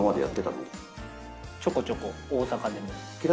ちょこちょこ大阪でも。